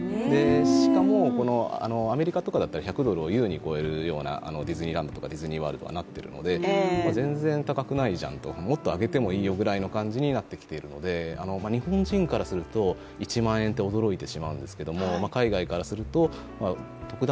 しかも、アメリカとかだったら１００ドルを優に超えるようなディズニーランドとかディズニーワールドになっているので全然高くないじゃん、もっと上げてもいいよぐらいになってきているので日本人からすると、１万円って驚いてしまうんですけれども、海外からすると特段